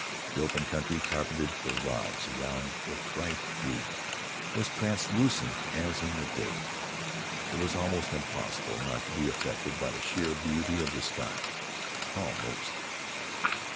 The open country, carpeted for rods around with bright wheat, was translucent as in the day. It was almost impossible not to be affected by the sheer beauty of the sky almost.